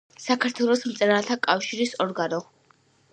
საქართველოს მწერალთა კავშირის ორგანო.